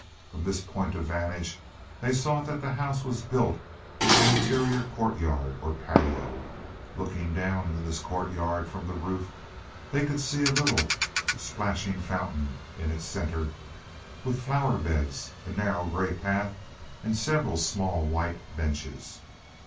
From this point of vantage they saw that the house was built with an interior courtyard or patio. Looking down into this courtyard from the roof they could see a little, splashing fountain in its center, with flower beds, a narrow gray path, and several small white benches.